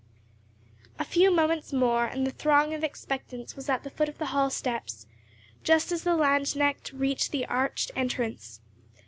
A few moments more, and the throng of expectants was at the foot of the hall steps, just as the lanzknecht reached the arched entrance.